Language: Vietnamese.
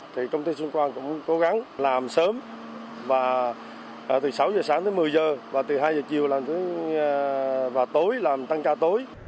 thì công ty xung quanh cũng cố gắng làm sớm từ sáu giờ sáng tới một mươi giờ và từ hai giờ chiều làm tối làm tăng ca tối